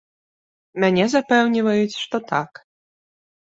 Мяне запэўніваюць, што так.